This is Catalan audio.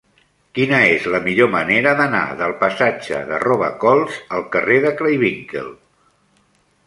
Quina és la millor manera d'anar del passatge de Robacols al carrer de Craywinckel?